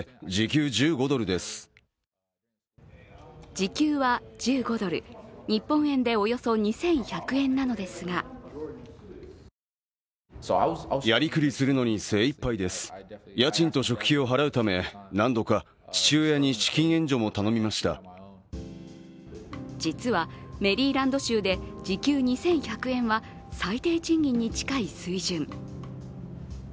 時給は１５ドル、日本円でおよそ２１００円なのですが実は、メリーランド州で時給２１００円は最低賃金に近い水準。